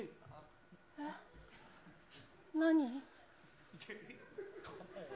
えっ？何？